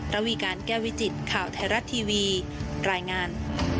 ระวีการแก้วิจิตข่าวไทยรัฐทีวีรายงาน